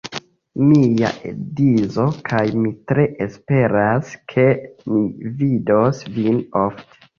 Mia edzo kaj mi tre esperas, ke ni vidos vin ofte.